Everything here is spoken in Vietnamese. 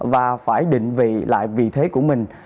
và phải định vị lại vị thế của mình